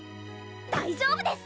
大丈夫です！